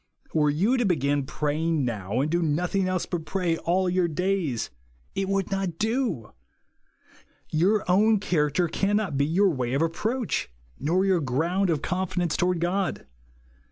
Were you to begin praying now, and do nothing else but pray all your days, it would not do ! Your own character cannot be your way of approach, nor your ground of confidence toward God.